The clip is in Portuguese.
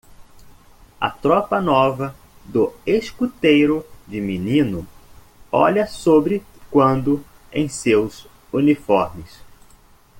A tropa nova do escuteiro de menino olha sobre quando em seus uniformes.